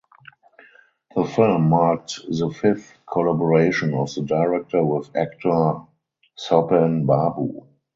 The film marked the fifth collaboration of the director with actor Sobhan Babu.